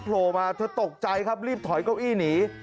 โผล่มาเธอตกใจครับรีบถอยเก้าอี้หนี